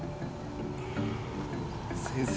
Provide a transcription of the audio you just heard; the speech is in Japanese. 先生